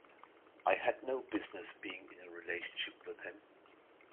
I had no business being in a relationship with him.